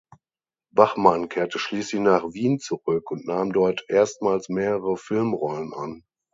Bachmann kehrte schließlich nach Wien zurück und nahm dort erstmals mehrere Filmrollen an.